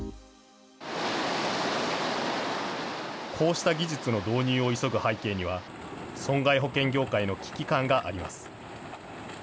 こうした技術の導入を急ぐ背景には、損害保険業界の危機感があります。